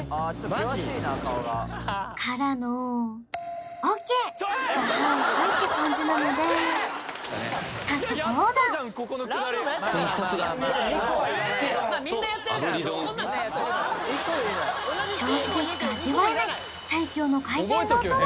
マジ？がはいはいって感じなのでこの２つだ銚子でしか味わえない最強の海鮮丼とは？